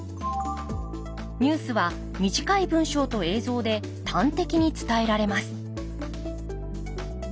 ニュースは短い文章と映像で端的に伝えられます